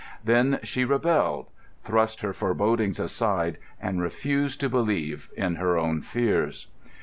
Then she rebelled, thrust her forebodings aside, and refused to believe in her own fears.